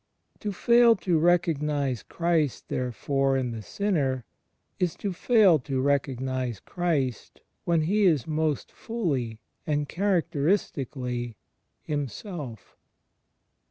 To fail to recognize Christ, therefore, m the sinner is to fail to recognize Christ when He is most fully and characteristically Himself.